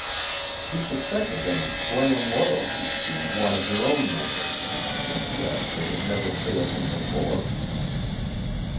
He suspected them of clan loyalty to one of their own number; and yet they had never failed him before.